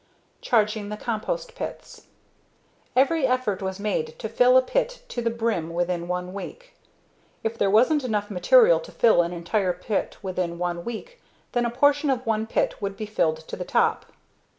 Charging the Compost Pits Every effort was made to fill a pit to the brim within one week. If there wasn't enough material to fill an entire pit within one week, then a portion of one pit would be filled to the top.